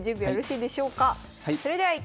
はい。